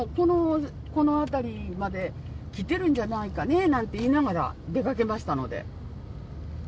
「この辺りまで来てるんじゃないかね」なんて言いながら出かけましたので。